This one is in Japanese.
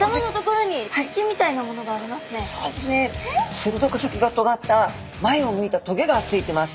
するどく先がとがった前を向いた棘がついてます。